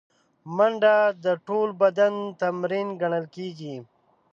منډه د ټول بدن تمرین ګڼل کېږي